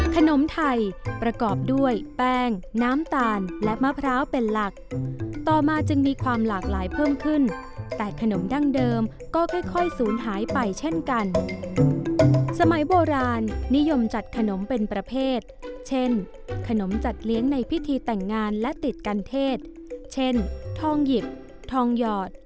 ขนมไทยประกอบด้วยแป้งน้ำตาลและมะพร้าวเป็นหลักต่อมาจึงมีความหลากหลายเพิ่มขึ้นแต่ขนมดั้งเดิมก็ค่อยศูนย์หายไปเช่นกันสมัยโบราณนิยมจัดขนมเป็นประเภทเช่นขนมจัดเลี้ยงในพิธีแต่งงานและติดกันเทศเช่นทองหยิบทองหยอด